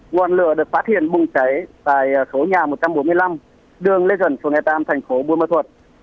nguồn lửa được phát hiện bùng cháy tại số nhà một trăm bốn mươi năm đường lê duẩn phố nghệ tam thành phố buôn mơ thuật